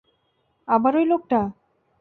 আবার ওই লোকটা?